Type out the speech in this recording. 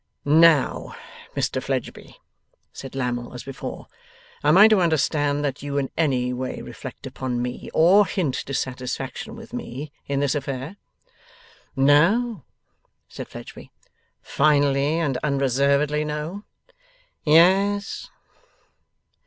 'NOW, Mr Fledgeby,' said Lammle, as before; 'am I to understand that you in any way reflect upon me, or hint dissatisfaction with me, in this affair?' 'No,' said Fledgeby. 'Finally and unreservedly no?' 'Yes.